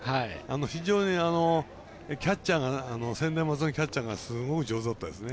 非常に専大のキャッチャーがすごい上手だったですね。